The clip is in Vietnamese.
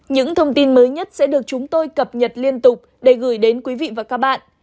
những thông tin mới nhất sẽ được chúng tôi cập nhật liên tục để gửi đến quý vị và các bạn